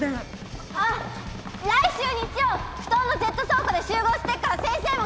あっ来週日曜埠頭のゼット倉庫で集合してっから先生も来てよ！